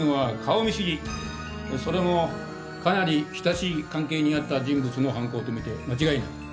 それもかなり親しい関係にあった人物の犯行とみて間違いない。